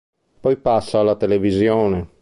Poi passa alla televisione.